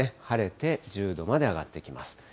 晴れて１０度まで上がってきます。